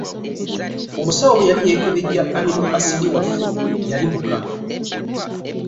Omusawo bwe yali yeekebejja amino asidi waffe yali muka.